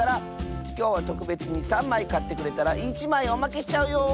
きょうはとくべつに３まいかってくれたら１まいおまけしちゃうよ！